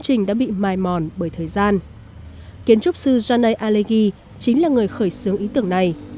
trình đã bị mai mòn bởi thời gian kiến trúc sư jane alegy chính là người khởi xướng ý tưởng này